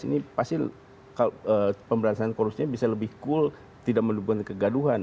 ini pasti pemberantasan korupsinya bisa lebih cool tidak mendukung kegaduhan